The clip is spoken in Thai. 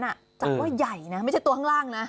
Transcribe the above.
จากว่าใหญ่นะไม่ใช่ตัวข้างล่างนะ